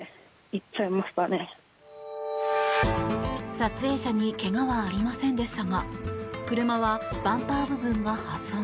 撮影者にけがはありませんでしたが車はバンパー部分が破損。